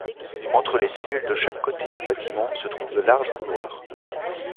Entre les cellules de chaque côté du bâtiment se trouvent de larges couloirs.